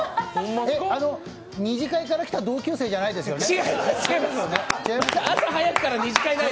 えっ、二次会から来た同級生じゃないですよね？